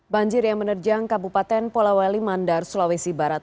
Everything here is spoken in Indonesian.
banjir yang menerjang kabupaten polawali mandar sulawesi barat